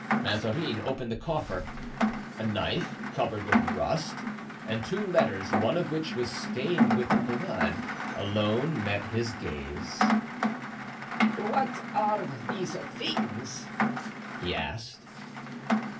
Mazarin opened the coffer; a knife, covered with rust, and two letters, one of which was stained with blood, alone met his gaze. "What are these things?" he asked.